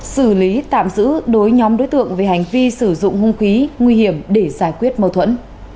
xử lý tạm giữ đối nhóm đối tượng về hành vi sử dụng hung khí nguy hiểm để giải quyết mâu thuẫn